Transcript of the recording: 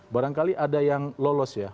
barangkali ada yang lolos ya